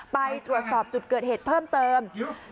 ไปตรวจสอบจุดเกิดเหตุเพิ่มเติม